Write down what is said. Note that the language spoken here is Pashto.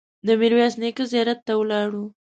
د میرویس نیکه زیارت ته ولاړو.